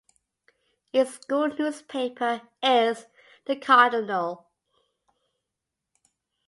Its school newspaper is "The Cardinal".